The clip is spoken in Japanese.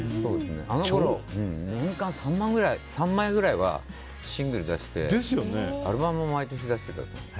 あのころ年間３枚ぐらいはシングル出しててアルバムも毎年出してた。